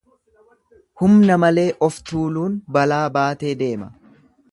Humna malee of tuuluun balaa baatee deema.